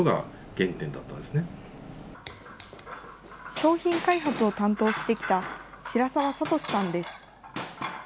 商品開発を担当してきた白澤聡さんです。